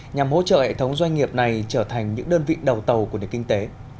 nhằm hỗ trợ hệ thống doanh nghiệp này trở thành những đơn vị đầu tàu của nền kinh tế